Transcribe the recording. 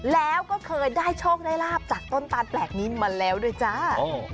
แล้วก็เคยได้โชคได้ลาบจากต้นตาลแปลกนี้มาแล้วด้วยจ้า